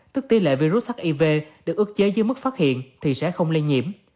tức tỷ lệ virus hiv được ước chế dưới mức phát hiện thì sẽ không lây nhiễm